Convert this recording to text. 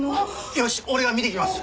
よし俺が見てきます。